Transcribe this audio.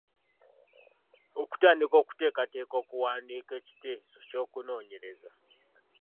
Okutandika okuteekateeka okuwandiika ekiteeso ky’okunoonyereza.